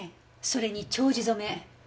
それに丁字染め。